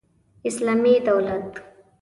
اسلامي دولت